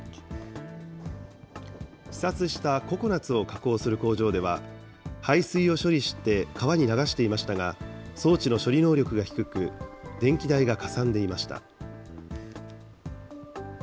視察したココナツを加工する工場では、排水を処理して川に流していましたが、装置の処理能力が低く、電気代がかさんでいました。